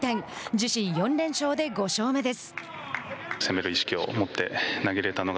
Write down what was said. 自身４連勝で５勝目です。